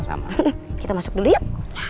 sama kita masuk dulu yuk